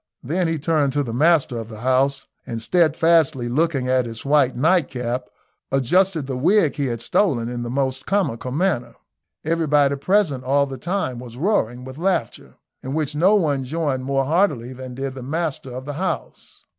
Then he turned to the master of the house, and steadfastly looking at his white night cap, adjusted the wig he had stolen in the most comical manner. Everybody present all the time was roaring with laughter, in which no one joined more heartily than did the master of the house.